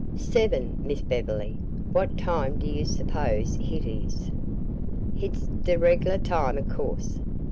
"Seben, Miss Bev'ly; wha' time do yo' s'pose hit is? Hit's d' reg'lah time, o' co'se.